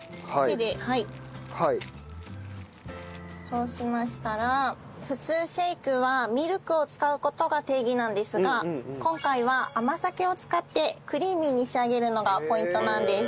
そうしましたら普通シェイクはミルクを使う事が定義なんですが今回は甘酒を使ってクリーミーに仕上げるのがポイントなんです。